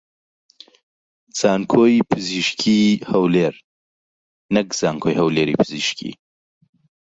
زانکۆی پزیشکیی هەولێر نەک زانکۆی هەولێری پزیشکی